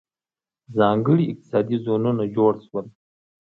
ځانګړي اقتصادي زونونه جوړ شول.